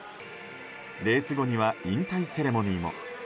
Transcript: レース後には引退セレモニーも。